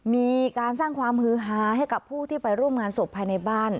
มีการสร้างความฮือฮาให้กับผู้ที่ไปร่วมงานศพภายในบ้าน